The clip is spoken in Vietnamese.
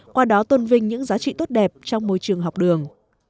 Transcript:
qua đó tôn vinh những giá trị tốt đẹp trong môi trường học đường